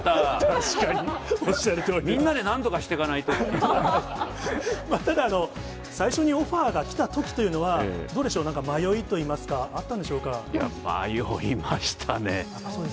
確かに、みんなでなんとかしてかないただ、最初にオファーが来たときというのは、どうでしょう、迷いといい迷いましたね。